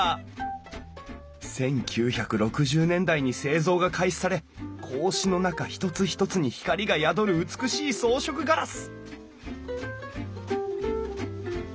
１９６０年代に製造が開始され格子の中ひとつひとつに光が宿る美しい装飾ガラス！